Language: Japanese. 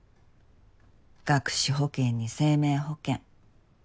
学資保険に生命保険。